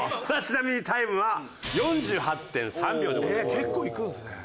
さあちなみにタイムは４８．３秒でございます。